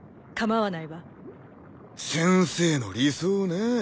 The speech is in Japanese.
先生の理想ね。